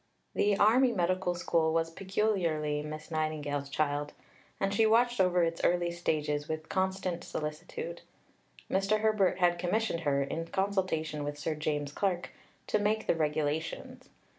The Army Medical School was peculiarly Miss Nightingale's child, and she watched over its early stages with constant solicitude. Mr. Herbert had commissioned her, in consultation with Sir James Clark, to make the Regulations.